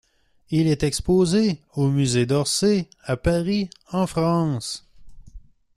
Il est exposé au Musée d'Orsay à Paris en France.